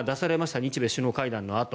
日米首脳会談のあと。